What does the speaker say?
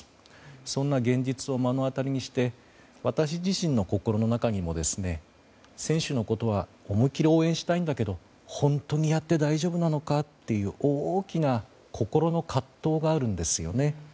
そんな現実を目の当たりにして私自身の心の中にも選手のことは思い切り応援したいんだけど本当にやって大丈夫なのかという大きな心の葛藤があるんですよね。